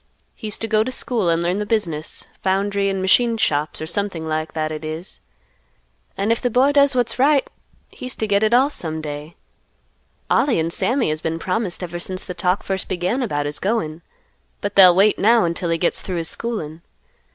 He's to go to school and learn the business, foundry and machine shops, or something like that it is; and if the boy does what's right, he's to get it all some day; Ollie and Sammy has been promised ever since the talk first began about his goin'; but they'll wait now until he gets through his schoolin'.